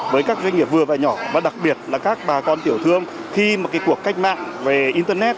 với các doanh nghiệp vừa và nhỏ và đặc biệt là các bà con tiểu thương khi một cuộc cách mạng về internet